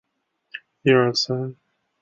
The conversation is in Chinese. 它类似微软的组件对象模型。